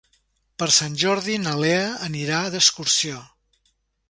Per Sant Jordi na Lea anirà d'excursió.